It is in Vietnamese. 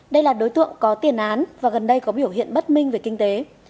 đây là đối tượng có tiền án và gần đây có biểu hiện bất minh về kinh tế